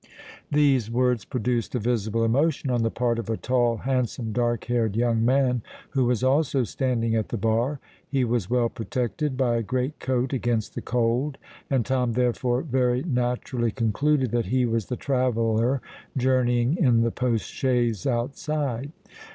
These words produced a visible emotion on the part of a tall, handsome, dark haired young man, who was also standing at the bar. He was well protected by a great coat against the cold; and Tom therefore very naturally concluded that he was the traveller journeying in the post chaise outside.